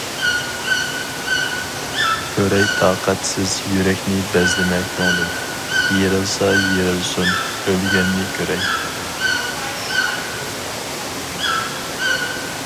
كۆرەي تاقەتسىز يۈرەكنى بەزلىمە كۆڭلۈم، يېرىلسا يېرىلسۇن ئۆلگەننى كۆرەي.